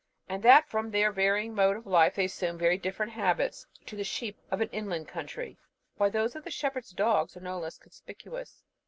and that from their varying mode of life they assume very different habits to the sheep of an inland country, while those of the shepherds' dogs are no less conspicuous.